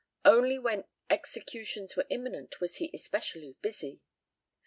Only when executions were imminent was he especially busy.